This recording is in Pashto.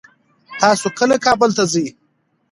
تاسو کله کابل ته ځئ؟